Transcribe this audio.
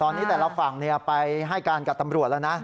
แล้วฝั่งไปให้การกับตำรวจแล้วนะ